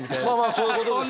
そういうことですよね。